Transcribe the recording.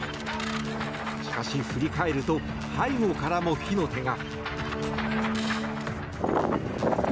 しかし、振り返ると背後からも火の手が。